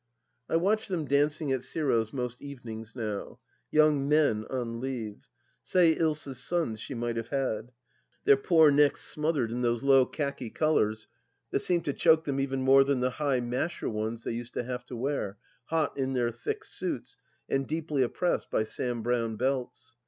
... I watch them dancing at Giro's most evenings now, young men on leave— say Ilsa's sons she might have had— their poor necks smothered in those low khaki collars that seem to choke them even more than the high masher ones they used to have to wear, hot m their thick suits, and deeply oppressed by Sam Browne belts.